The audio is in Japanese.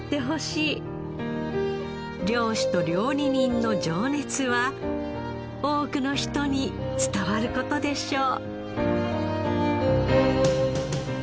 漁師と料理人の情熱は多くの人に伝わる事でしょう。